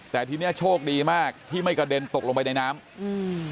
แต่ทีเนี้ยโชคดีมากที่ไม่กระเด็นตกลงไปในน้ำอืม